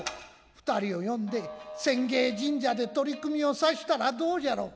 二人を呼んで浅間神社で取り組みをさしたらどうじゃろう。